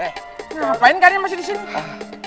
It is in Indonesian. eh ngapain kalian masih disini